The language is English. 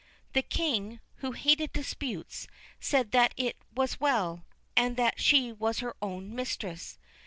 The King, who hated disputes, said that it was well, and that she was her own mistress.